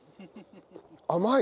甘い。